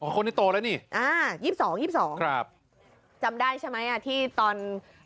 คนที่โตแล้วนี่อ่า๒๒๒ครับจำได้ใช่ไหมอ่ะที่ตอน